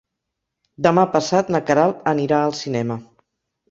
Demà passat na Queralt anirà al cinema.